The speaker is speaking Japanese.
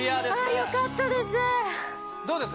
よかったです。